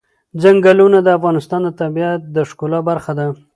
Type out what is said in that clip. چنګلونه د افغانستان د طبیعت د ښکلا برخه ده.